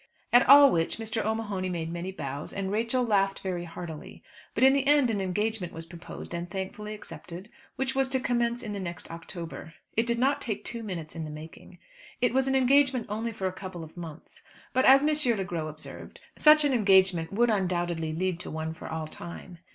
At all which Mr. O'Mahony made many bows, and Rachel laughed very heartily; but in the end an engagement was proposed and thankfully accepted, which was to commence in the next October. It did not take two minutes in the making. It was an engagement only for a couple of months; but, as M. Le Gros observed, such an engagement would undoubtedly lead to one for all time.